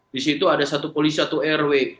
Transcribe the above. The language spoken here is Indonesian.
di situ ada satu polisi satu rw